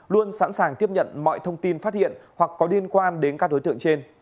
luôn sẵn sàng tiếp nhận mọi thông tin phát hiện hoặc có liên quan đến các đối tượng trên